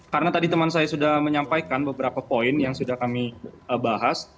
karena tadi teman saya sudah menyampaikan beberapa poin yang sudah kami bahas